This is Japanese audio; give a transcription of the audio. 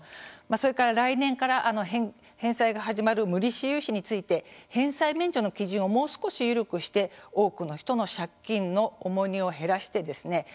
それから来年から返済が始まる無利子融資について返済免除の基準をもう少し緩くして、多くの人の借金の重荷を減らしてですね